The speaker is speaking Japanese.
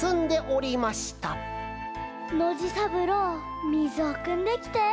ノジさぶろうみずをくんできて。